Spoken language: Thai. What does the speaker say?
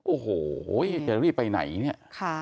โอ้โหเดี๋ยวพี่ไปไหนเนี่ย